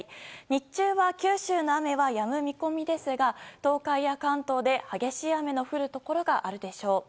日中は九州の雨はやむ見込みですが東海や関東で激しい雨の降るところがあるでしょう。